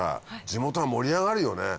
地元が盛り上がるよね。